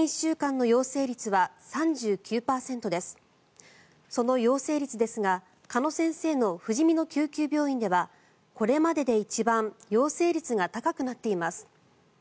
その陽性率ですが鹿野先生のふじみの救急病院ではこれまでで一番陽性率が高くなっています。